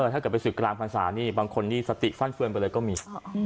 ถ้าเกิดไปศึกกลางพรรษานี่บางคนนี่สติฟั่นเฟือนไปเลยก็มี